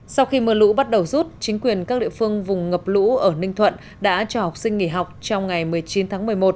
sau khi mưa lũ bắt đầu rút chính quyền các địa phương vùng ngập lũ ở ninh thuận đã cho học sinh nghỉ học trong ngày một mươi chín tháng một mươi một